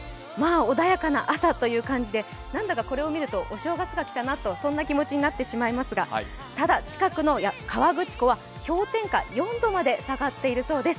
穏やかな朝という感じでなんだかこれを見ると、お正月が来たような気持ちになってしまいますがただ近くの河口湖は氷点下４度まで下がっているようです。